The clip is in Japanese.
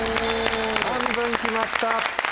半分きました。